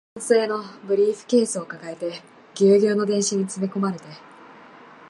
ナイロン製のブリーフケースを抱えて、ギュウギュウの電車に詰め込まれて